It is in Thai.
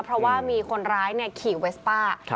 เพราะว่ามีคนร้ายขี่เวสป้า